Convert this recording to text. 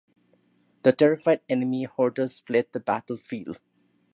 The terrified enemy hordes fled the battle field.